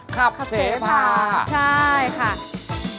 ขับเสพาะใช่ค่ะขับเสพาะ